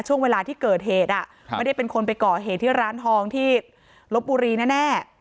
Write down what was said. ช่วงเวลาที่เกิดเหตุไม่ได้เป็นคนไปก่อเหตุที่ร้านทองที่ลบบุรีแน่